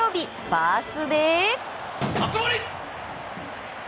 バースデー！